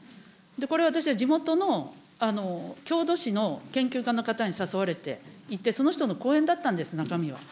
これは私は地元の郷土史の研究家の方に誘われて、行ってその人の講演だったんです、中身は。